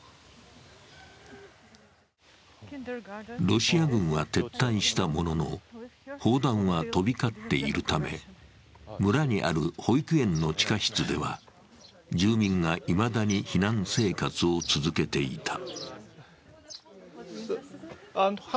ロシア軍は撤退したものの、砲弾は飛び交っているため村にある保育園の地下室では住民がいまだに避難生活を続けていた。